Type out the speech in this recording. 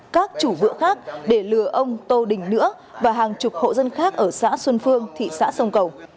các chủ vựa khác để lừa ông tô đình nữa và hàng chục hộ dân khác ở xã xuân phương thị xã sông cầu